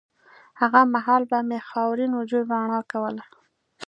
هغه مهال به مې خاورین وجود رڼا کوله